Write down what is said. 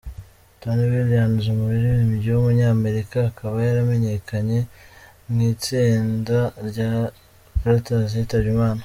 Tony Williams, umuririmbyi w’umunyamerika akaba yaramenyekanye mu itsinda rya The Platters yitabye Imana.